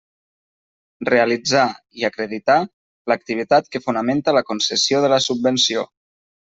Realitzar, i acreditar, l'activitat que fonamenta la concessió de la subvenció.